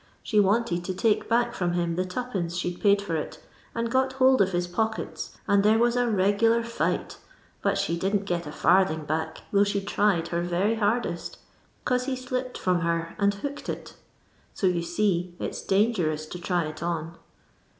She wanted to take bock from him the two pence she 'd paid for it, and got hold of his pockets and there was a regnhur figh^ but she didn't get a fiirthiog back though she tried her very hardest, 'cause he slipped from her and hooked it So you see it 's dangeroos to try it on."